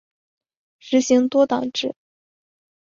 实行多党制。